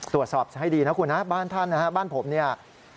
ตรวจสอบให้ดีนะคุณนะบ้านท่านนะฮะบ้านผมเนี่ย